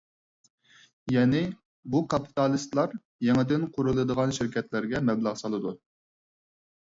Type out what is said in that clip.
يەنى، بۇ كاپىتالىستلار يېڭىدىن قۇرۇلىدىغان شىركەتلەرگە مەبلەغ سالىدۇ.